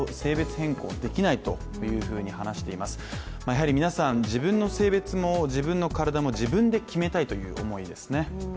やはり皆さん、自分の性別も自分の体も自分で決めたいという思いですね。